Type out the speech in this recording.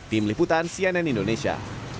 tim liputan cnn indonesia